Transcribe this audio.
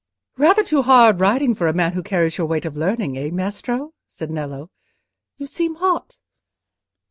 "Rather too hard riding for a man who carries your weight of learning: eh, Maestro?" said Nello. "You seem hot."